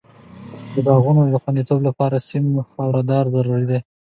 د باغونو خوندیتوب لپاره سیم خاردار ضرور دی.